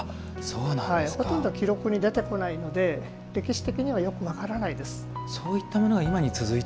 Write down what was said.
ほとんど記録に出てこないので歴史的にはよく分からないです。